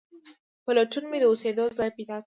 په لټون مې د اوسېدو ځای پیدا کړ.